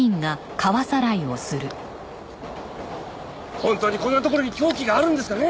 本当にこんな所に凶器があるんですかね？